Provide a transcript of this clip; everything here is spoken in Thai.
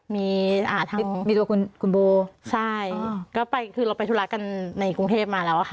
มีอ่าทั้งมีตัวคุณคุณบูใช่ก็ไปคือเราไปธุระกันในกรุงเทพมาแล้วอ่ะค่ะ